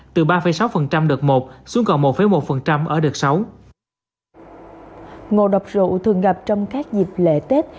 từ ba sáu đợt một xuống còn một một ở đợt sáu ngộ độc rượu thường gặp trong các dịp lễ tết